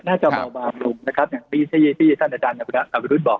น่าจะเบาลงนะครับอย่างพี่พี่ท่านอาจารย์อาวุธอาวุธบอก